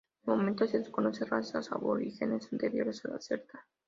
De momento se desconoce razas aborígenes anteriores a la celta.